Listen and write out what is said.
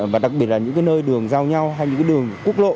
và đặc biệt là những nơi đường giao nhau hay những đường cúp lộ